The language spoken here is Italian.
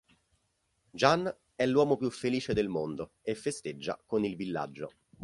Jan è l'uomo più felice del mondo e festeggia con il villaggio.